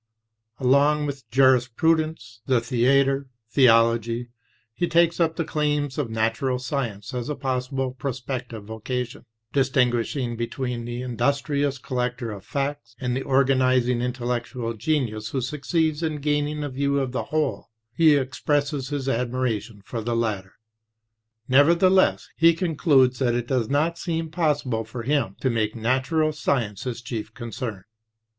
Along with jurisprudence, the theatre, theology, he takes up the claims of natural science as a possible prospective vocation. Distinguishing between the industrious collector of facts and the organizing intellectual genius who succeeds in gaining a view of the whole, he expresses his admira tion for the latter. Nevertheless, he concludes that it does not seem possible for him to make natural science his chief concern.